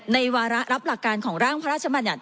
วาระรับหลักการของร่างพระราชมัญญัติ